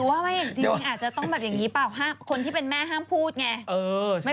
ไม่เป็นไรให้เพื่อนพูดไม่เป็นไร